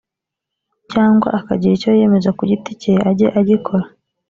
cyangwa akagira icyo yiyemeza ku giti cye ajye agikora